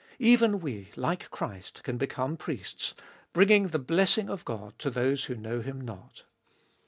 Even we, like Christ, can become priests, bringing the blessing of God to those who know Him not.